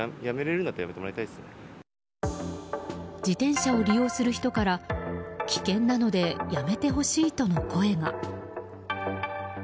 自転車を利用する人から危険なのでやめてほしいとの声が。